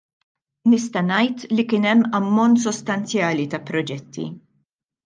Nista' ngħid li kien hemm ammont sostanzjali ta' proġetti.